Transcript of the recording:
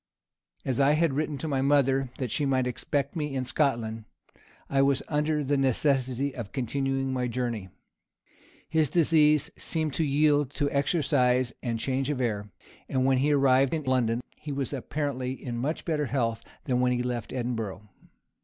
As I had written to my mother that she might expect me in Scotland, I was under the necessity of continuing my journey. His disease seemed to yield to exercise and change of air; and when he arrived in London, he was apparently in much better health than when he left Edinburgh.